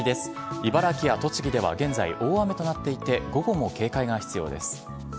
茨城や栃木では現在、大雨となっていて、午後も警戒が必要です。